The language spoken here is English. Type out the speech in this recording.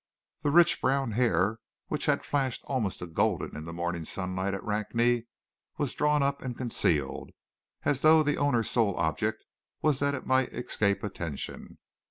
The rich brown hair, which had flashed almost to golden in the morning sunlight at Rakney, was drawn up and concealed, as though the owner's sole object was that it might escape attention.